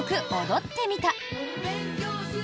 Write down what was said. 踊ってみた。